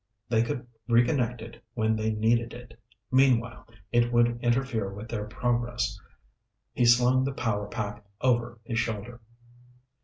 They could reconnect it when they needed it. Meanwhile, it would interfere with their progress. He slung the power pack over his shoulder.